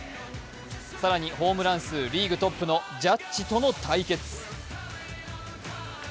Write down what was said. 更にホームラン数リーグトップのジャッジとの対決。